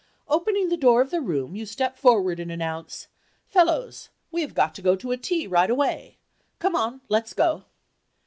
Opening the door of the room you step forward and announce, "Fellows, we have got to go to a tea right away. Come on—let's go."